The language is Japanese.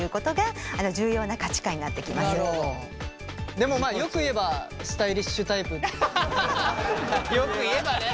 でもまあよく言えばよく言えばね。